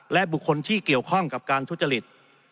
และบุคคลที่เกี่ยวข้องกับการทุจริต